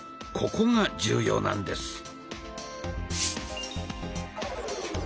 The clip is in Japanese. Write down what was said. ここが重要なんです。